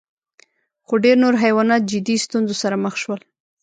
خو ډېر نور حیوانات جدي ستونزو سره مخ شول.